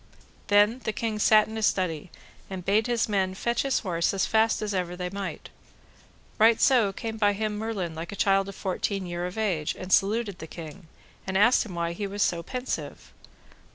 Then the king sat in a study, and bade his men fetch his horse as fast as ever they might. Right so came by him Merlin like a child of fourteen year of age, and saluted the king, and asked him why he was so pensive.